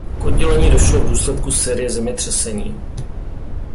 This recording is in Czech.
K oddělení došlo v důsledku série zemětřesení.